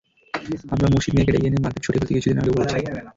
আমরা মুর্শিদ মিয়াকে ডেকে এনে মার্কেট সরিয়ে ফেলতে কিছুদিন আগেও বলেছি।